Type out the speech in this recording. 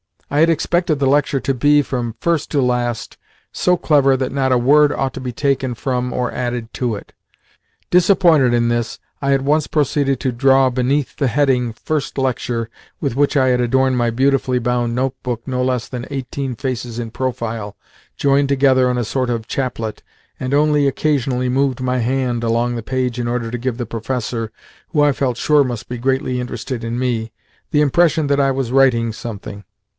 I had expected the lecture to be, from first to last, so clever that not a word ought to be taken from or added to it. Disappointed in this, I at once proceeded to draw beneath the heading "First Lecture" with which I had adorned my beautifully bound notebook no less than eighteen faces in profile, joined together in a sort of chaplet, and only occasionally moved my hand along the page in order to give the professor (who, I felt sure, must be greatly interested in me) the impression that I was writing something.